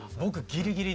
ギリギリ。